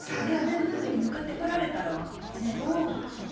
こんなふうに向かってこられたら、ちょっと。